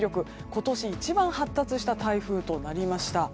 今年一番発達した台風となりました。